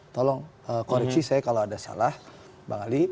tolong koreksi saya kalau ada salah bang ali